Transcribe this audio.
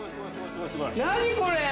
何これ！